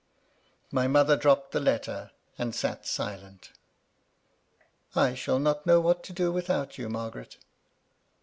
My mother dropped the letter, and sat silent. "I shall not know what to do without you, Mar garet."